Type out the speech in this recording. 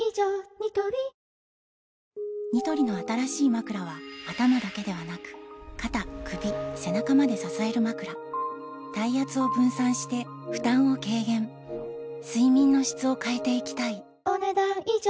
ニトリニトリの新しいまくらは頭だけではなく肩・首・背中まで支えるまくら体圧を分散して負担を軽減睡眠の質を変えていきたいお、ねだん以上。